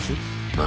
何？